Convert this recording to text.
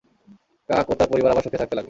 কাক ও তার পরিবার আবার সুখে থাকতে লাগল।